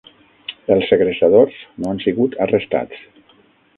Els segrestadors no han sigut arrestats.